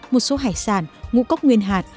một số hải sản ngũ cốc nguyên hạt